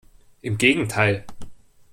Im Gegenteil!